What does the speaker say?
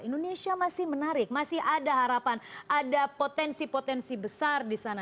indonesia masih menarik masih ada harapan ada potensi potensi besar di sana